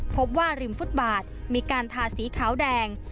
พบว่าริมฟุตบาทมีการทาสีขาวแดง